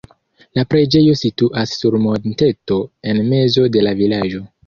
La preĝejo situas sur monteto en mezo de la vilaĝo.